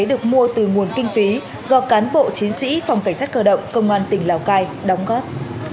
được mua từ nguồn kinh phí do cán bộ chiến sĩ phòng cảnh sát cơ động công an tỉnh lào cai đóng góp